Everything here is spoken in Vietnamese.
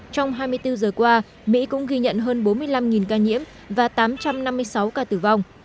trong hai mươi bốn giờ qua mỹ cũng ghi nhận hơn bốn mươi năm ca nhiễm và tám trăm năm mươi sáu ca tử vong